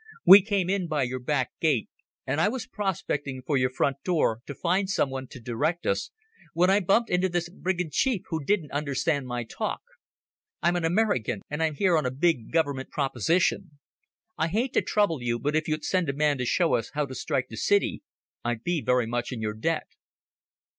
We came in by your back gate, and I was prospecting for your front door to find someone to direct us, when I bumped into this brigand chief who didn't understand my talk. I'm American, and I'm here on a big Government proposition. I hate to trouble you, but if you'd send a man to show us how to strike the city I'd be very much in your debt."